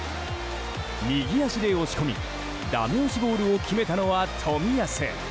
右足で押し込みダメ押しゴールを決めたのは冨安。